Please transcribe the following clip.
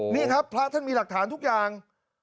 นี่ครับพระท่านมีหลักฐานทุกอย่าง